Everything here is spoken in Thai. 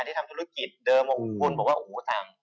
ที่ทำธุรกิจเดิมของคุณบอกว่า